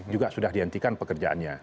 juga sudah dihentikan pekerjaannya